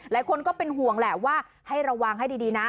หลายคนก็เป็นห่วงแหละว่าให้ระวังให้ดีนะ